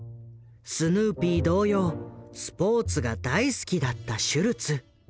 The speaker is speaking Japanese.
スヌーピー同様スポーツが大好きだったシュルツ。